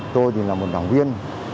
tôi là một đảng viên